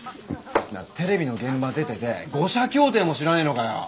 テレビの現場出てて五社協定も知らねえのかよ。